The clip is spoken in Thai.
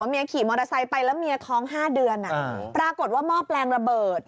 เมียขี่มอเตอร์ไซค์ไปแล้วเมียท้อง๕เดือนปรากฏว่าหม้อแปลงระเบิด